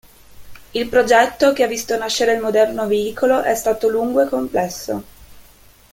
Il progetto che ha visto nascere il moderno veicolo è stato lungo e complesso.